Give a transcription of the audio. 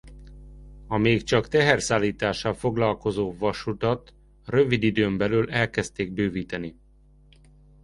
A még csak teherszállítással foglalkozó vasutat rövid időn belül elkezdték bővíteni.